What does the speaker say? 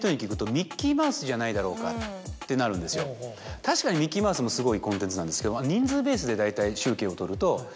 確かにミッキーマウスもすごいコンテンツなんですけど。